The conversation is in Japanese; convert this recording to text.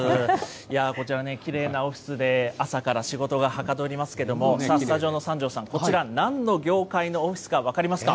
いやー、こちらね、きれいなオフィスで朝から仕事がはかどりますけれども、さあ、スタジオの三條さん、何の業界のオフィスか分かりますか？